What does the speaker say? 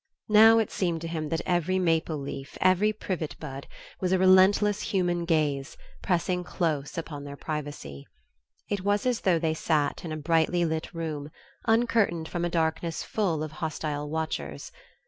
Now it seemed to him that every maple leaf, every privet bud, was a relentless human gaze, pressing close upon their privacy. It was as though they sat in a brightly lit room, uncurtained from a darkness full of hostile watchers....